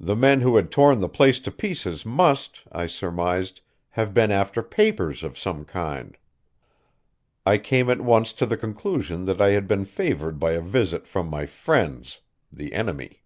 The men who had torn the place to pieces must, I surmised, have been after papers of some kind. I came at once to the conclusion that I had been favored by a visit from my friends, the enemy.